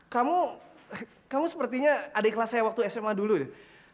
kamu kamu sepertinya ada di kelas saya waktu sma dulu ya